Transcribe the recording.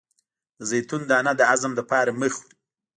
د زیتون دانه د هضم لپاره مه خورئ